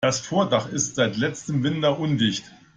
Das Vordach ist seit letztem Winter undicht.